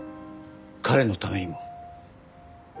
彼のためにも。